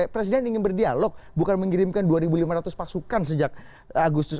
presiden ingin berdialog bukan mengirimkan dua lima ratus pasukan sejak agustus